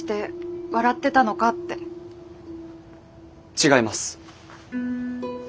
違います。